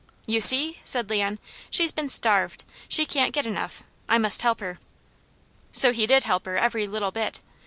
"You see!" said Leon, "she's been starved. She can't get enough. I must help her!" So he did help her every little bit.